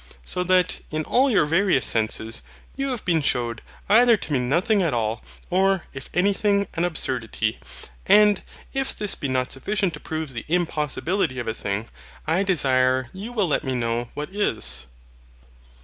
So that, in all your various senses, you have been shewed either to mean nothing at all, or, if anything, an absurdity. And if this be not sufficient to prove the impossibility of a thing, I desire you will let me know what is.